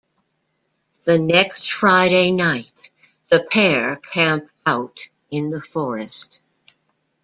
The next Friday night, the pair camp out in the forest.